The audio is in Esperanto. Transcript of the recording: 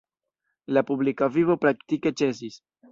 La publika vivo praktike ĉesis.